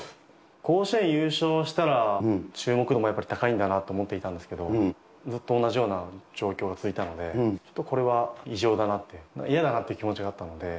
甲子園優勝したら、注目度もやっぱり高いんだなと思っていたんですけど、ずっと同じような状況が続いたので、ちょっとこれは異常だなって、嫌だなっていう気持ちがあったので。